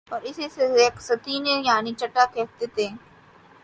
اور اسے سیکستیلیس یعنی چھٹا کہتے تھے